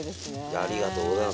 やありがとうございます。